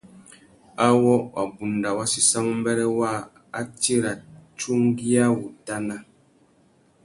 Awô wabunda wa séssamú mbêrê waā, a tira tsungüiawutana.